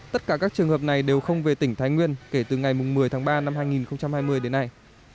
tất cả các trường hợp này đều không về tỉnh thái nguyên kể từ ngày một mươi tháng ba năm hai nghìn hai mươi đến nay